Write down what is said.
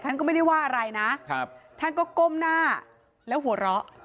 ท่านก็ไม่ได้ว่าอะไรนะครับท่านก็ก้มหน้าแล้วหัวเราะ